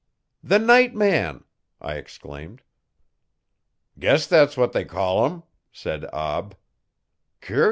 'The night man!' I exclaimed. 'Guess thet's what they call 'im,' said Ab.